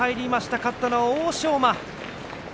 勝ったのは欧勝馬。